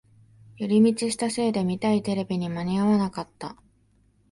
寄り道したせいで見たいテレビに間に合わなかった